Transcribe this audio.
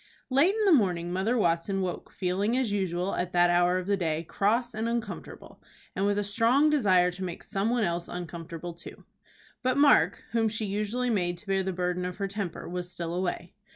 Late in the morning Mother Watson woke, feeling as usual, at that hour of the day, cross and uncomfortable, and with a strong desire to make some one else uncomfortable. But Mark, whom she usually made to bear the burden of her temper, was still away.